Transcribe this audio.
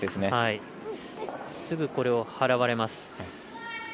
すぐこれを払われます。